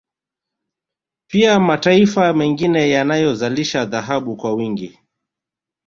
Pia mataifa mengine yanayozalisha dhahabu kwa wingi